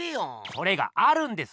それがあるんです！